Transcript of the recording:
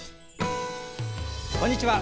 こんにちは。